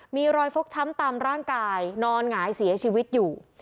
มีรอยฟกช้ำตามร่างกายนอนหงายเสียชีวิตอยู่